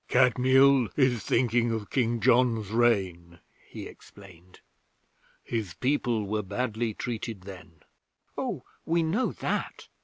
'Kadmiel is thinking of King John's reign,' he explained. 'His people were badly treated then.' 'Oh, we know that.'